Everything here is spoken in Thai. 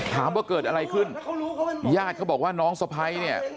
ถามว่าเกิดอะไรขึ้นญาติเขาบอกว่าน้องสะพ้ายเนี่ย